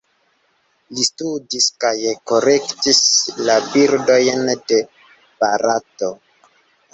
Li studis kaj kolektis la birdojn de Barato.